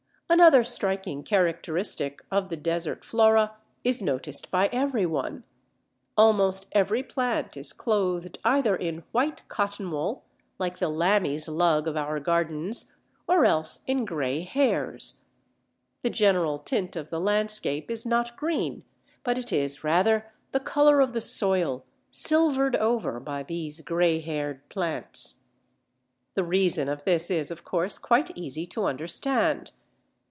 Another striking characteristic of the desert flora is noticed by every one. Almost every plant is clothed either in white cottonwool, like the Lammie's Lug of our gardens, or else in grey hairs. The general tint of the landscape is not green, but it is rather the colour of the soil silvered over by these grey haired plants. The reason of this is, of course, quite easy to understand.